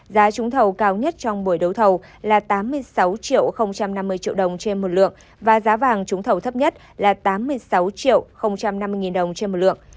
giá trúng thầu cao nhất trong buổi đấu thầu là tám mươi sáu triệu năm mươi triệu đồng trên một lượng và giá vàng trúng thầu thấp nhất là tám mươi sáu triệu năm mươi đồng trên một lượng